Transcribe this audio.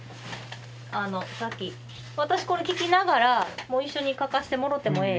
あの先私これ聞きながら一緒に書かせてもろてもええ？